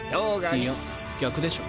いや逆でしょ？